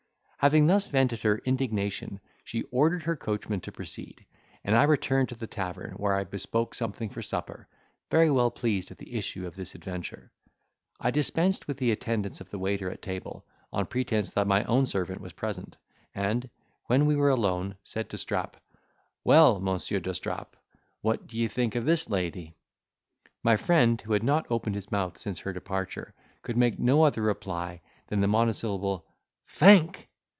Having thus vented her indignation, she ordered her coachman to proceed, and I returned to the tavern, where I bespoke something for supper, very well pleased at the issue of this adventure. I dispensed with the attendance of the waiter at table, on pretence that my own servant was present, and, when we were alone, said to Strap, "Well, Monsieur d'Estrapes, what d'ye think of this lady?" My friend, who had not opened his mouth since her departure, could make no other reply than the monosyllable "Think!"